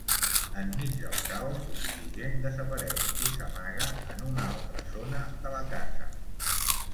Enmig del caos l'indigent desapareix i s'amaga en una altra zona de la casa.